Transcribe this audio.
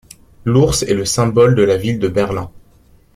L'ours est le symbole de la ville de Berlin.